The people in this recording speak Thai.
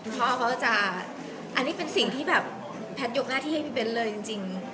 พ่อเค้าจะอันนั้นเป็นสิ่งที่แผนยกหน้าที่ให้นายเป็นเลยจริง